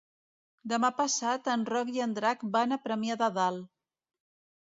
Demà passat en Roc i en Drac van a Premià de Dalt.